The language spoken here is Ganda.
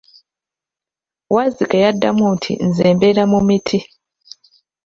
Wazzike yadamu nti, nze mbeera mu miti.